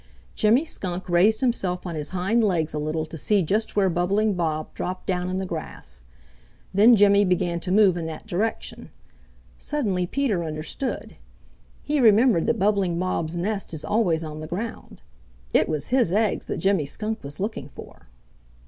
Jimmy Skunk raised himself on his hind legs a little to see just where Bubbling Bob dropped down in the grass. Then Jimmy began to move in that direction. Suddenly Peter understood. He remembered that Bubbling Bob's nest is always on the ground. It was his eggs that Jimmy Skunk was looking for.